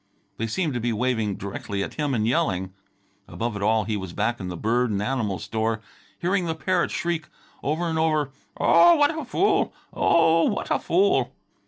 They seemed to be waving directly at him and yelling. Above it all, he was back in the bird and animal store, hearing the parrot shriek over and over, "Oh, what a fool! Oh, what a fool!"